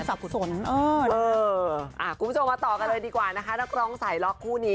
หล่ะของไหนไทยที่ว่างเช็ม